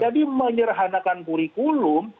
jadi menyerahanakan kurikulum